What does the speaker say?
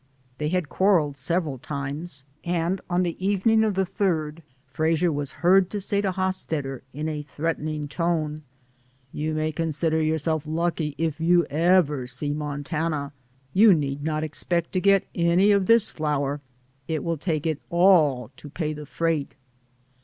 They had quarreled several times, and the evening of the 3d, Frasier was heard to say to Hosstetter in a threatening tone: "You may consider yourself lucky if you ever see Montana. You need not expect to get any of this flour. It will take it all to pay the freight."